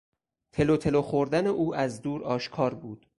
تلوتلو خوردن او از دور آشکار بود.